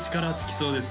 そうですね